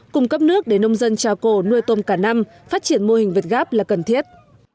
cung cấp nước để nông dân trà cổ nuôi tôm cả năm phát triển mô hình việt gáp là cần thiết